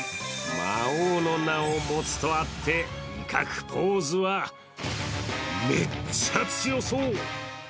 魔王の名を持つとあって、威嚇ポーズはめっちゃ強そう。